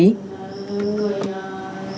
mở quán cho khách hàng